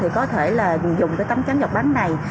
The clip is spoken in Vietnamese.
thì có thể là dùng cái tấm trắng giọt bắn này